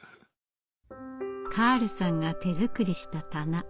カールさんが手作りした棚。